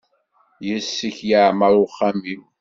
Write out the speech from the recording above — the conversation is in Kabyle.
Yes-k yeɛmer uxxam-iw.